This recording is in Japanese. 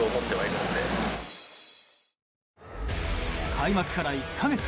開幕から１か月。